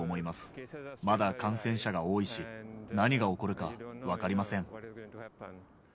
まだ感染者が多いし、何が起こるか分かりません。